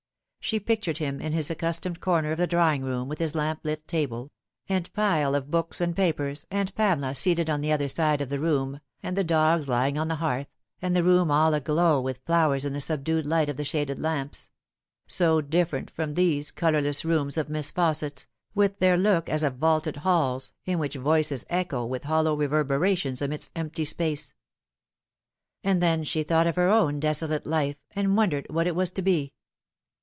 She pictured him in his accustomed corner of the drawing room, with his lamp lit table, and pile of books and papers, and Pamela seated on the other side of the room, and the dogs lying on the hearth, and the room all aglow with flowers in the subdued light of the shaded lamps ; so different from these colourless rooms of Miss Fausset's, with their look as of vaulted halls, in which voices echo with hollow reverberations amidst empty space. And then she thought of her own desolate life, and wondered what it was to be.